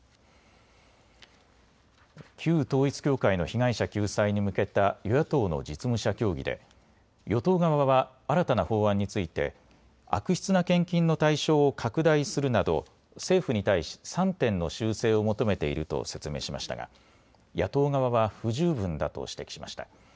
旧統一教会の被害者救済に向けた与野党の実務者協議で与党側は新たな法案について悪質な献金の対象を拡大するなど政府に対し３点の修正を求めていると説明しましたが野党側は不十分だと指摘しました。